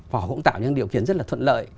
họ cũng tạo những điều kiện rất là thuận lợi